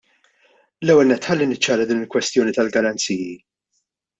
L-ewwel nett ħalli niċċara din il-kwestjoni tal-garanziji.